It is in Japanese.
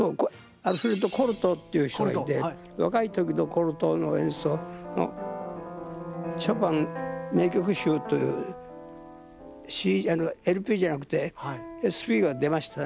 コルトーっていう人がいて若い時のコルトーの演奏のショパン名曲集というＬＰじゃなくてＳＰが出ましたね。